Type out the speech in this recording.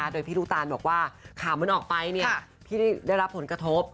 โดยพี่ลูกตานบอกว่าข่าวมันออกไปพี่ได้รับผลกระทบ